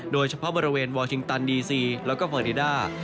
โดยเฉพาะบริเวณวอร์ชิงตันดีซีแล้วก็เฟอร์นิดา